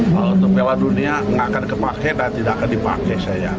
kalau untuk piala dunia nggak akan kepake dan tidak akan dipakai saya